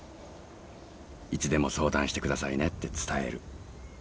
いつでも相談してくださいねって伝える。